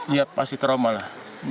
ya pasti trauma lah